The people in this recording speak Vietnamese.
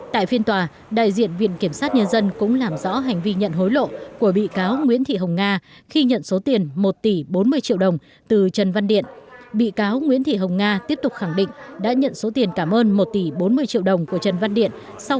tại phiên tòa đại diện viện kiểm sát nhân dân cũng làm rõ hành vi nhận hối lộ của bị cáo nguyễn thị hồng nga khi nhận số tiền một tỷ bốn mươi triệu đồng từ trần văn điện